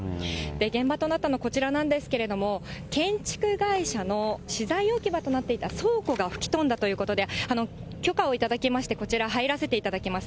現場となったのはこちらなんですけれども、建築会社の資材置き場となっていた倉庫が吹き飛んだということで、許可を頂きまして、こちら入らせていただきます。